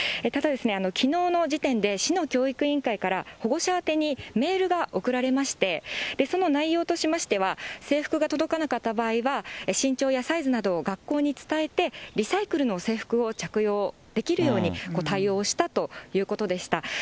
ただですね、きのうの時点で市の教育委員会から、保護者宛てにメールが送られまして、その内容としましては、制服が届かなかった場合は、身長やサイズなどを学校に伝えて、リサイクルの制服を着用できるように対応したということでした。